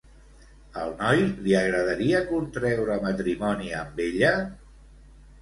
Al noi li agradaria contreure matrimoni amb ella?